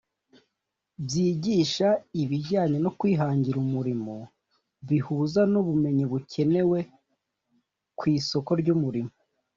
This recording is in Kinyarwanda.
byigisha ibijyanye no kwihangira umurimo bihuza n’ubumenyi bukenewe ku isoko ry’umurimo